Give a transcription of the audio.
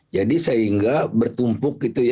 jadi sehingga bertumpuk gitu ya